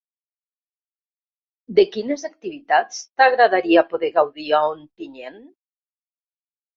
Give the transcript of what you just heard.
De quines activitats t’agradaria poder gaudir a Ontinyent?